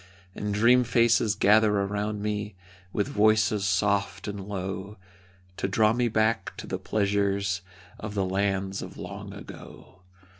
And dream faces gather around me, With voices soft and low, To draw me back to the pleasures Of the lands of long ago.